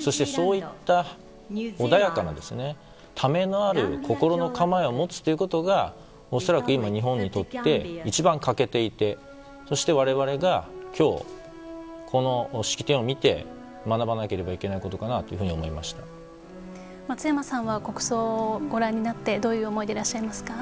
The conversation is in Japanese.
そしてそういった穏やかなためのある心の構えを持つということが恐らく今、日本にとって一番欠けていて、そして我々が今日、この式典を見て学ばなければいけないことかなと松山さんは国葬をご覧になってどういう思いでいらっしゃいますか。